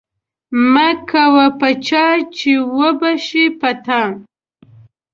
مه کوه په چا چی اوبه شی په تا.